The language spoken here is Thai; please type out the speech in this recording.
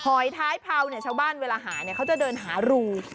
หอยท้ายเผาเจ้าบ้านเวลาหาเขาจะเดินหารู